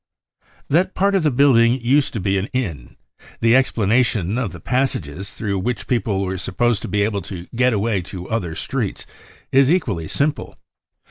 |" That part of the building used to be an inn. The \ explanation of the passages through which people were f supposed to be able to get away to other streets is equally f simple.